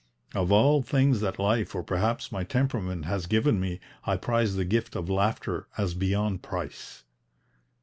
Of all things that life or perhaps my temperament has given me I prize the gift of laughter as beyond price."